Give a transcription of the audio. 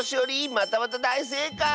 またまただいせいかい！